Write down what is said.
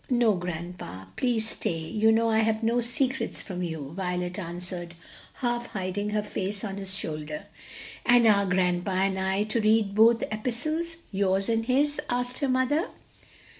"No, grandpa, please stay; you know I have no secrets from you," Violet answered, half hiding her face on his shoulder. "And are grandpa and I to read both epistles yours and his?" asked her mother.